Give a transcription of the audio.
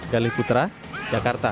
dalih putra jakarta